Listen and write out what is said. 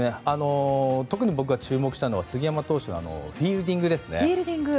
特に僕が注目したのは杉山投手のフィールディングですね。